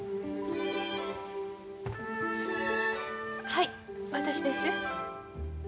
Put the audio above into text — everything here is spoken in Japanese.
はい私です。